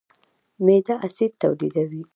معده اسید تولیدوي.